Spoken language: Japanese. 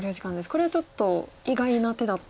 これはちょっと意外な手だったんですかね